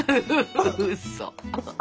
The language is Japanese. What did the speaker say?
うそ。